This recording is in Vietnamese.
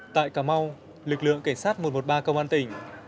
tại cà mau lực lượng cảnh sát một trăm một mươi ba công an tỉnh